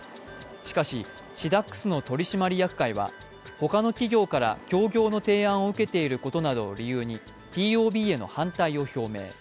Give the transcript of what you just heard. しかし、シダックスの取締役会は他の企業から協業の提案を受けていることなどを理由に、ＴＯＢへの反対を表明。